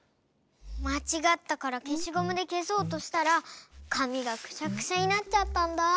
まちがったからけしゴムでけそうとしたらかみがくしゃくしゃになっちゃったんだ。